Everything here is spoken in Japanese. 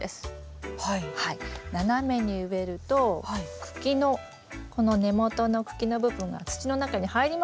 斜めに植えると茎のこの根元の茎の部分が土の中に入りますよね。